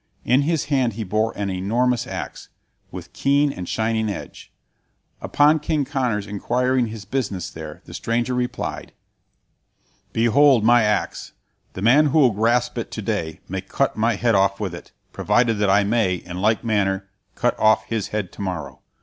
In his hand he bore an enormous axe, with keen and shining edge. Upon King Conor's inquiring his business there, the stranger replied: "Behold my axe! The man who will grasp it to day may cut my head off with it, provided that I may, in like manner, cut off his head to morrow.